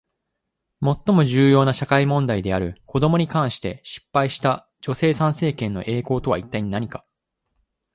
最も重要な社会問題である子どもに関して失敗した女性参政権の栄光とは一体何か？